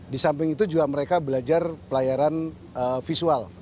di samping itu juga mereka belajar pelayaran visual